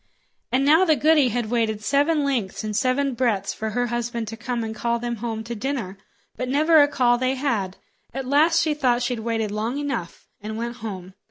And now the goody had waited seven lengths and seven breadths for her husband to come and call them home to dinner; but never a call they had. At last she thought she'd waited long enough, and went home.